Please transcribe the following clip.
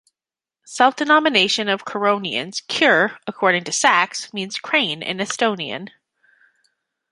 Self-denomination of Curonians, "kure", according to Saks, means 'crane' in Estonian.